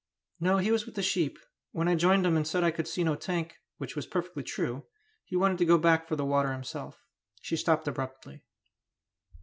"No, he was with the sheep; when I joined him and said I could see no tank, which was perfectly true, he wanted to go back for the water himself." She stopped abruptly.